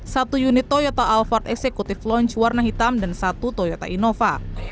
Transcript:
satu unit toyota alphard executive lounge warna hitam dan satu toyota innova